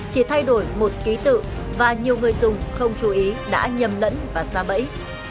chỉ thay đổi một ký tự và nhiều người dùng không chú ý đã nhầm lẫn và xa bẫy